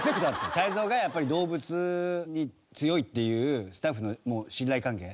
泰造がやっぱり動物に強いっていうスタッフの信頼関係。